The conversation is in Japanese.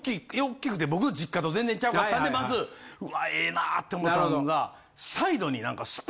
大きくて僕の実家と全然ちゃうかったんでまず「うわええな」って思った。